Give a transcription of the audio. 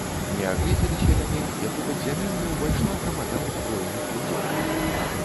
Не агледзеліся яны, як у падзямелле ўвайшла грамада ўзброеных людзей.